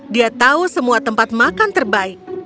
dia tahu semua tempat makan terbaik